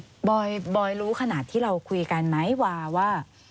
บอยบอยรู้ขนาดที่เราคุยกันมั้ยว่า